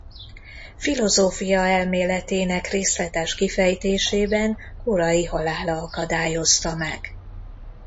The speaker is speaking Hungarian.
Filozófia-elméletének részletes kifejtésében korai halála akadályozta meg.